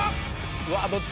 うわっどっち？